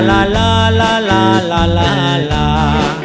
ลาลาลาลาลาลาลา